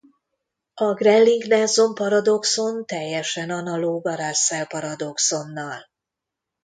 A Grelling-Nelson paradoxon teljesen analóg a Russell-paradoxonnal.